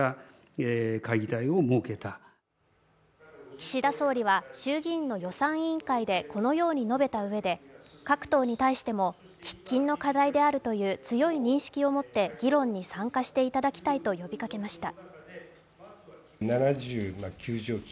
岸田総理は衆議院の予算委員会でこのように述べたうえで各党に対しても喫緊の課題であるという強い認識を持って議論に参加していただきたいと呼びかけました。